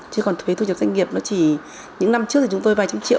chứ còn thuế thu nhập doanh nghiệp nó chỉ những năm trước thì chúng tôi vài trăm triệu